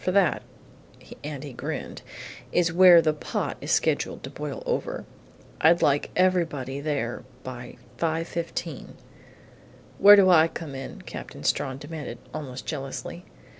For that " and he grinned, " is where the pot is scheduled to boil over. I'd like everybody to be there by 5:15." "Where do I come in?" Captain Strawn demanded, almost jealously.